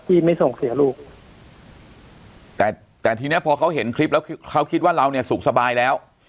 พี่ไม่ส่งเสียลูกแต่แต่ทีเนี้ยพอเขาเห็นคลิปแล้วเขาคิดว่าเราเนี่ยสุขสบายแล้ว